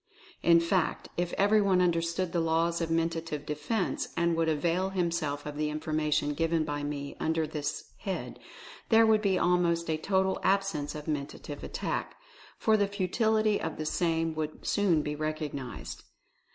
In fact, if everyone understood the laws of Mentative Defence, and would avail himself of the information given by me under this head, there would be almost a total absence of Mentative Attack, for the futility of the same would soon be recognized.